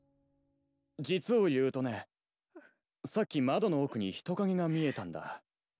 実を言うとねさっき窓の奥に人影が見えたんだ。